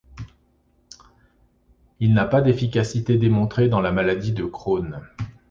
Il n'a pas d'efficacité démontrée dans la maladie de Crohn.